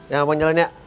ya mau jalan ya